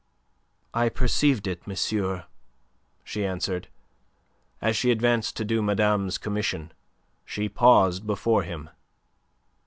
"I perceived it, monsieur," she answered, as she advanced to do madame's commission. She paused before him.